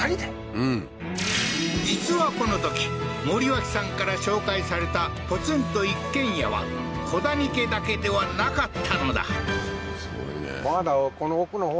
うん実はこのとき森脇さんから紹介されたポツンと一軒家は古谷家だけではなかったのだえっ？